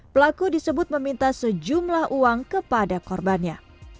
pelaku disebut meminta sejumlah uang kepada korbannya